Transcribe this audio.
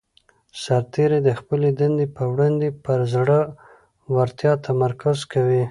سرتیری د خپلې دندې په وړاندې پر زړه ورتیا تمرکز کوي.